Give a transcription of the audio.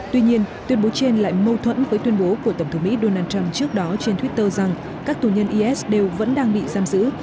tuy nhiên tuyên bố trên lại mâu thuẫn với tuyên bố của tổng thống mỹ donald trump trước đó trên twitter rằng các tù nhân is đều vẫn đang bị giam giữ